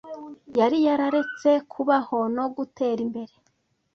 Yari yararetse kubaho no gutera imbere.